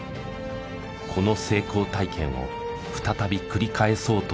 この成功体験を再び繰り返そうとしたのか。